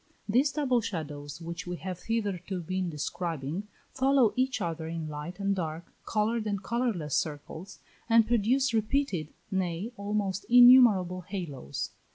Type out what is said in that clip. These double shadows which we have hitherto been describing, follow each other in light and dark, coloured and colourless circles, and produce repeated, nay, almost innumerable halos.